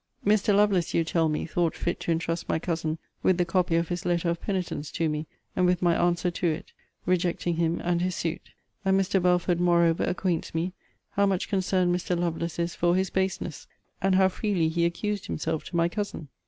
Mr. Lovelace, you tell me, thought fit to intrust my cousin with the copy of his letter of penitence to me, and with my answer to it, rejecting him and his suit: and Mr. Belford, moreover, acquaints me, how much concerned Mr. Lovelace is for his baseness, and how freely he accused himself to my cousin.